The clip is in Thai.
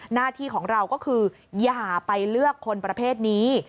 หน้าที่ของเราก็คืออย่าไปเลือกคนประเภทนี้